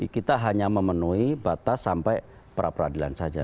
kita hanya memenuhi batas sampai pra peradilan saja